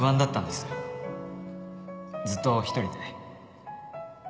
ずっと一人で